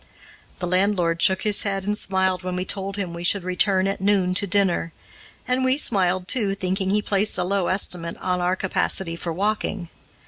The landlord shook his head and smiled when we told him we should return at noon to dinner, and we smiled, too, thinking he placed a low estimate on our capacity for walking.